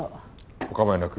お構いなく。